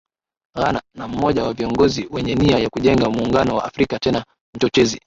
Ghana na mmoja wa viongozi wenye nia ya kujenga Muungano wa Afrika tena mchochezi